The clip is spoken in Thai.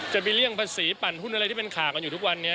เลี่ยงภาษีปั่นหุ้นอะไรที่เป็นข่าวกันอยู่ทุกวันนี้